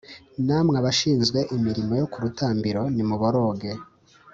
Namwe abashinzwe imirimo yo ku rutambiro, nimuboroge!